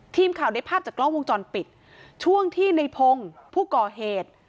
ทีมข่าวได้ภาพจากกล้องวงจรปิดช่วงที่ในพงศ์ผู้ก่อเหตุ